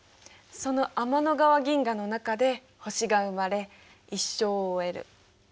その天の川銀河の中で星が生まれ一生を終える。